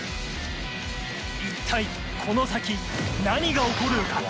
一体この先何が起こるのか